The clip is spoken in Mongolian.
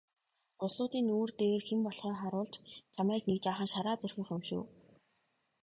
Улсуудын нүүр дээр хэн болохоо харуулж чамайг нэг жаахан шараад орхих юм шүү.